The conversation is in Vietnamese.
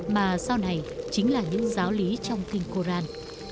mà sau này chính là những giáo lý trong kinh koran